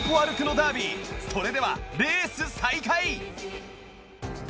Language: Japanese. ダービーそれではレース再開！